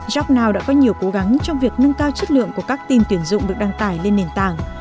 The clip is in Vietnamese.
jobnow đã có nhiều cố gắng trong việc nâng cao chất lượng của các tin tuyển dụng được đăng tải lên nền tảng